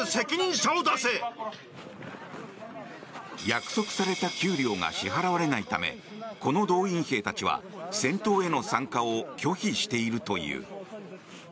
約束された給料が支払われないためこの動員兵たちは戦闘への参加を拒否しているという。